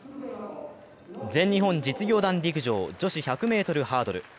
全日本実業団陸上、女子１００ｍハードル。